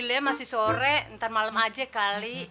dia iya masih sore ntar malem aja kali